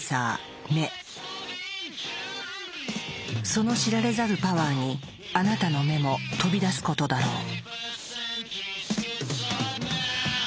その知られざるパワーにあなたの目も飛び出すことだろう。